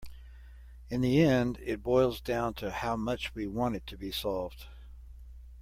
In the end it boils down to how much we want it to be solved.